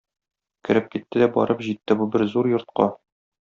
Кереп китте дә барып җитте бу бер зур йортка.